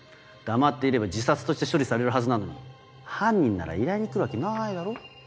黙っていれば自殺として処理されるはずなのに犯人なら依頼に来るわけないだろ。